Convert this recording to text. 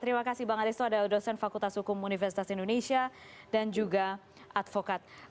terima kasih bang aristo adalah dosen fakultas hukum universitas indonesia dan juga advokat